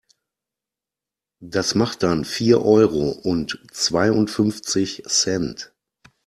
Das macht dann vier Euro und zweiundfünfzig Cent.